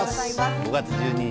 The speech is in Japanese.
５月１２日